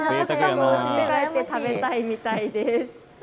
持ち帰って食べたいみたいです。